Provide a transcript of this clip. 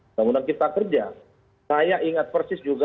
undang undang cipta kerja saya ingat persis juga